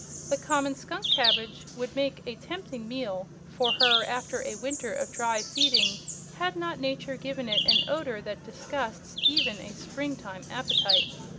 The common skunk cabbage would make a tempting meal for her after a winter of dry feeding, had not Nature given it an odor that disgusts even a spring time appetite.